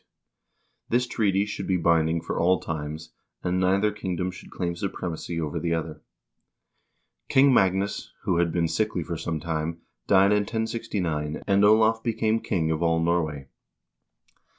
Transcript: This treaty should be binding for all times, and neither kingdom should claim supremacy over the other. King Magnus, who had been sickly for some time, died in 1069, and Olav became king of all Nor way.